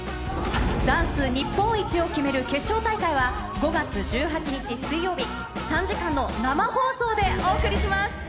ダンス日本一を決める決勝大会は、５月１８日水曜日、３時間の生放送でお送りします。